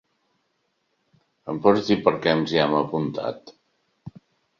Em pots dir per què ens hi hem apuntat?